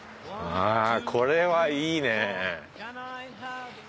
あこれはいいねえ。